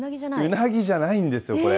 うなぎじゃないんですよ、これ。